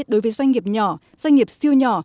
đối với doanh nghiệp nhỏ doanh nghiệp siêu nhỏ